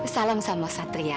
salam sama satria ya